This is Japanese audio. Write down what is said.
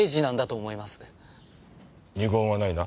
二言はないな？